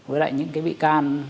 với lại những cái bị can